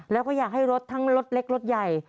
แล้วก็อยากให้รถทั้งรถเล็กรถใหญ่